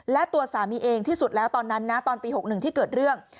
และตัวสามีเองที่สุดแล้วตอนนั้นนะตอนปี๖๑ที่เกิดเรื่อง